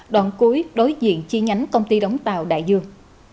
đoạn cuối đối diện chi nhánh công ty đóng tàu đại dương